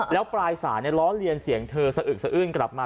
แล้วปลายสายล้อเลียนเสียงเธอสะอึกสะอื้นกลับมา